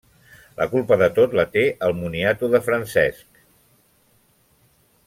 La culpa de tot la té el moniato de Francesc.